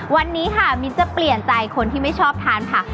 วันนี้ค่ะมิ้นจะเปลี่ยนใจคนที่ไม่ชอบทานผัก